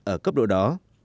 ở cấp độ đó